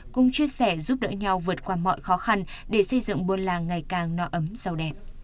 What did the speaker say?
cùng chia sẻ giúp đỡ nhau vượt qua mọi khó khăn để xây dựng buôn làng ngày càng no ấm sâu đẹp